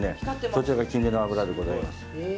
そちらがキンメの脂でございます。